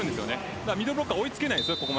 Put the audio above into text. だからミドルブロッカーは追いつけないんです。